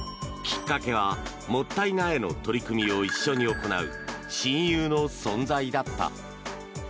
きっかけはもったい苗の取り組みを一緒に行う親友の存在だった。